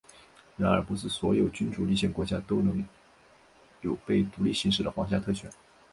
然而不是所有君主立宪国家都有能被独立行使的皇家特权。